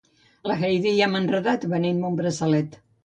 La Heidi ja m'ha enredat venent-me un braçalet